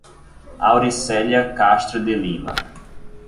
Auricelia Castro de Lima